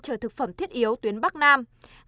chờ thực phẩm thiết yếu tuyến bắc nam